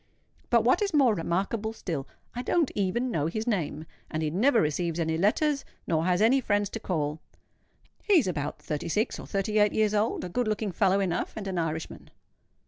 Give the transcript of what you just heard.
But what is more remarkable still, I don't even know his name; and he never receives any letters, nor has any friends to call. He is about thirty six or thirty eight years old, a good looking fellow enough, and an Irishman."